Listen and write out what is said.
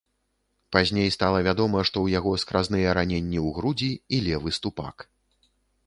Пазней стала вядома, што ў яго скразныя раненні ў грудзі і левы ступак.